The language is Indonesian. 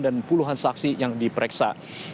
dan puluhan saksi yang diperiksa